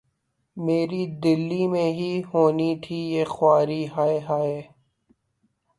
میری‘ دلی ہی میں ہونی تھی یہ خواری‘ ہائے ہائے!